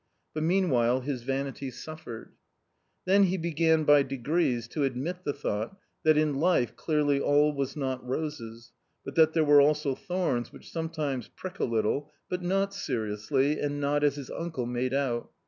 But meanwhile his vanity suffered Then he began by degrees to admit the thought that in life clearly all was not roses, but that there were also thorns which sometimes prick a little, but not seriously and not as his uncle made out.